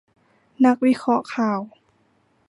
นักวิเคราะห์ข่าว